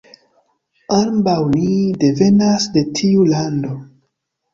Ambaŭ ni devenas de tiu lando.